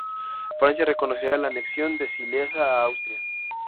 Francia reconocería la anexión de Silesia a Austria.